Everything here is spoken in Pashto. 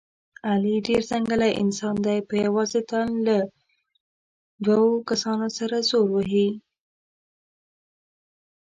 علي ډېر ځنګلي انسان دی، په یوازې تن له دور کسانو سره زور وهي.